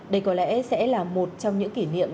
đây có lẽ sẽ là một trong những kỷ niệm